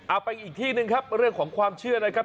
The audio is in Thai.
ไปอีกที่หนึ่งครับเรื่องของความเชื่อนะครับ